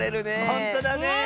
ほんとだね。